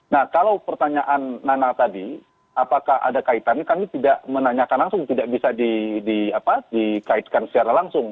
nah kalau pertanyaan nana tadi apakah ada kaitannya kami tidak menanyakan langsung tidak bisa dikaitkan secara langsung